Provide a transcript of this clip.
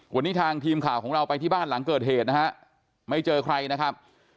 วันนี้ทางทีมข่าวของเราไปที่บ้านหลังเกิดเหตุนะฮะไม่เจอใครนะครับ